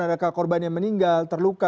adakah korban yang meninggal terluka